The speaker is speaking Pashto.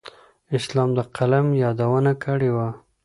اسلام د قلم یادونه کړې وه.